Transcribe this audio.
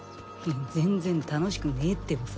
全然楽しくねえってばさ。